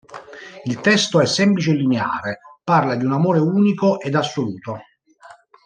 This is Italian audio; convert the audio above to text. Il testo è semplice e lineare: parla di un amore unico ed assoluto.